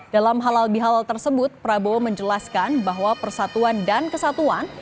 dalam halal bihalal tersebut prabowo menjelaskan bahwa persatuan dan kesatuan